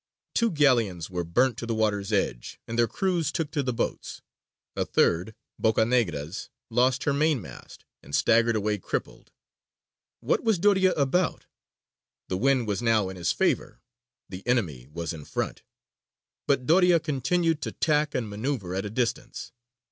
Two galleons were burnt to the water's edge, and their crews took to the boats; a third, Boccanegra's, lost her mainmast, and staggered away crippled. What was Doria about? The wind was now in his favour; the enemy was in front: but Doria continued to tack and manoeuvre at a distance.